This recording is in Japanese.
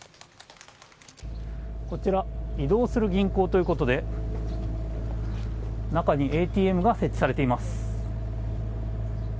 こちら、移動する銀行ということで、中にＡＴＭが設置されています。